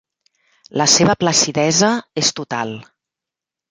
La seva placidesa és total.